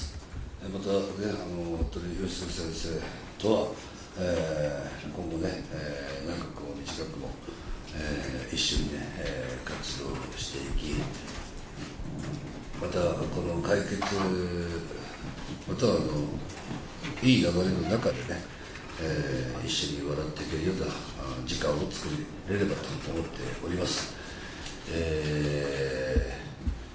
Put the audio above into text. また本当に先生とは、今後ね、長くも短くも、一緒に活動をしていき、またこの会見、いい流れの中でね、一緒に笑っていけるような時間を作れればと思っております。